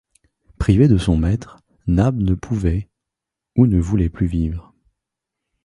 Privé de son maître, Nab ne pouvait ou ne voulait plus vivre!